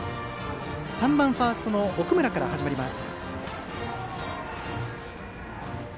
３番ファーストの奥村からです。